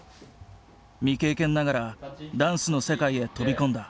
未経験ながらダンスの世界へ飛び込んだ。